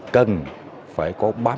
cần phải có bảo hiểm